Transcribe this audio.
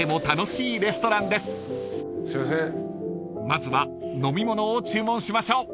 ［まずは飲み物を注文しましょう］